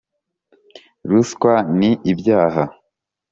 ruswa ni ibyaha